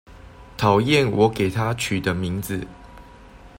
討厭我給她取的名字